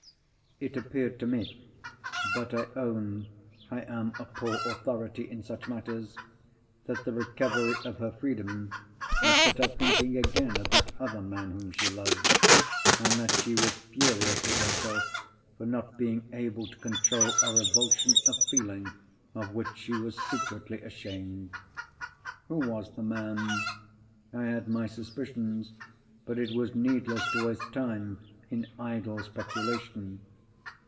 It appeared to me—but I own I am a poor authority in such matters—that the recovery of her freedom had set her thinking again of that other man whom she loved, and that she was furious with herself for not being able to control a revulsion of feeling of which she was secretly ashamed. Who was the man? I had my suspicions—but it was needless to waste time in idle speculation.